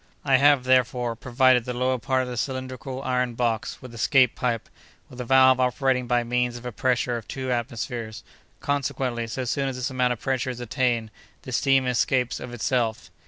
I have, therefore, provided the lower part of the cylindrical iron box with a scape pipe, with a valve operating by means of a pressure of two atmospheres; consequently, so soon as this amount of pressure is attained, the steam escapes of itself.